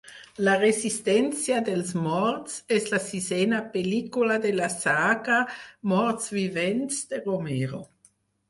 "La Resistència dels Morts" és la sisena pel.lícula de la saga "Morts Vivents" de Romero.